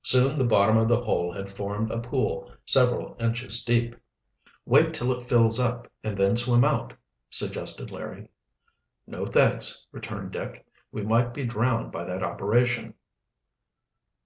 Soon the bottom of the hole had formed a pool several inches deep. "Wait till it fills up and then swim out," suggested Larry. "No, thanks," returned Dick. "We might be drowned by that operation."